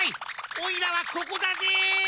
おいらはここだぜ！